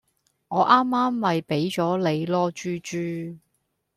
我啱啱咪畀咗你囉豬豬